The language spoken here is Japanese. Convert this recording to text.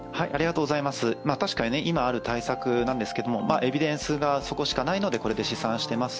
確かに今ある対策なんですけれどもエビデンスがそこしかないのでこれで試算しています。